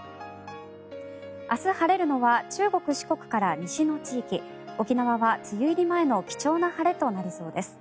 明日晴れるのは中国、四国から西の地域沖縄は梅雨入り前の貴重な晴れとなりそうです。